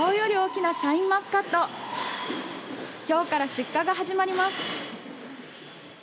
きょうから出荷が始まります。